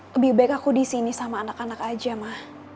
lebih baik aku disini sama anak anak aja mah